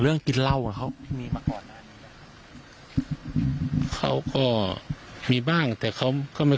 เรื่องกินเล่าเขาที่มีมาก่อนเขาก็มีบ้างแต่เขาไม่